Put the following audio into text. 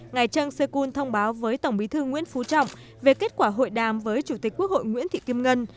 ngài trần sê kyun thông báo với tổng bí thư nguyễn phú trọng về kết quả hội đàm với chủ tịch quốc hội nguyễn thị kim ngân